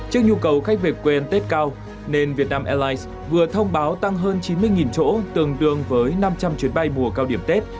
trước nhu cầu khách về quen tết cao nên vietnam airlines vừa thông báo tăng hơn chín mươi chỗ tường đường với năm trăm linh chuyến bay mùa cao điểm tết